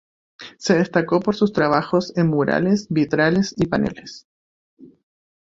Se destacó por sus trabajos en murales, vitrales y paneles.